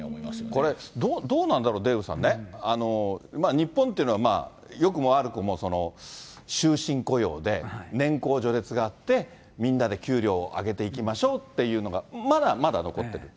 これ、どうなんだろう、デーブさんね、日本っていうのは、よくも悪くも終身雇用で年功序列があって、みんなで給料を上げていきましょうっていうのが、まだまだ残ってる。